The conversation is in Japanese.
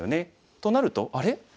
となるとあれ？